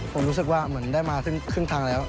ผมรู้สึกว่าเหมือนได้มาครึ่งทางแล้ว